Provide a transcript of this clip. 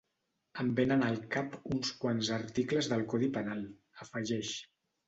Em vénen al cap uns quants articles del codi penal, afegeix.